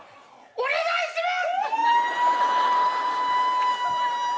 お願いします！